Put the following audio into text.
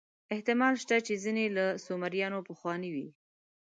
احتمال شته چې ځینې له سومریانو پخواني وي.